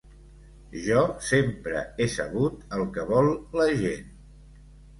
Jo sempre he sabut el que vol la gent.